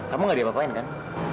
kamu gak diapapain kan